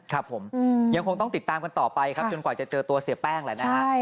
ครับผมยังคงต้องติดตามกันต่อไปครับจนกว่าจะเจอตัวเสียแป้งแหละนะฮะ